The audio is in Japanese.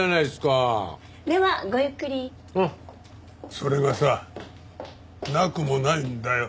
それがさなくもないんだよ。